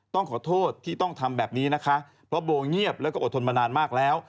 ต้องขอโทษที่ต้องทำแบบนี้นะคะเพราะโบเงียบแล้วก็อดทนมานานมากแล้ว